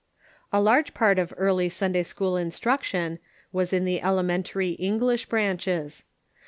A large part of early Sunday school instruction was in the elementary English branches.